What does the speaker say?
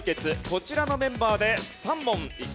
こちらのメンバーで３問いきます。